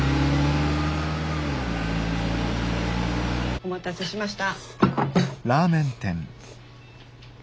お待たせしました。